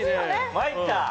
参った！